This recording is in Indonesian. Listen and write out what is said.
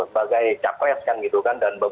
sebagai capres kan gitu kan